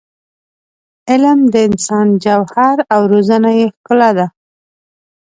علم د انسان جوهر او روزنه یې ښکلا ده.